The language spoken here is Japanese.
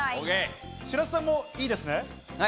白洲さんもいいですね。